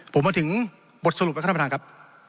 ผมมาถึงบทสรุปนะครับท่านประธานครับ